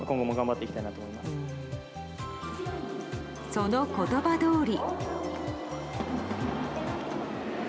その言葉どおり。